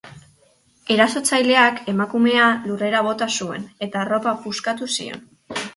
Erasotzaileak emakumea lurrera bota zuen eta arropa puskatu zion.